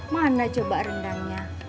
mana coba rendangnya